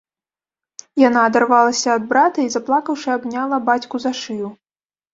Яна адарвалася ад брата і, заплакаўшы, абняла бацьку за шыю.